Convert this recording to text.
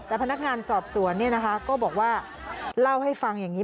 แต่พนักงานสอบสวนก็บอกว่าเล่าให้ฟังอย่างนี้